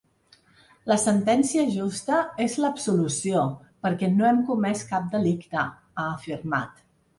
La sentència justa és l’absolució perquè no hem comès cap delicte, ha afirmat.